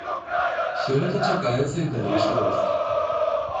Сёлета чакаецца іх далейшы рост.